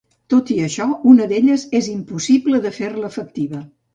Tot i això una d'elles és impossible de fer-la efectiva.